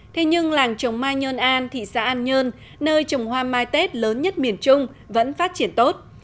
thế nhưng làng trồng mai nhơn an thị xã an nhơn nơi trồng hoa mai tết lớn nhất miền trung vẫn phát triển tốt